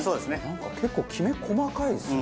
なんか結構きめ細かいですね。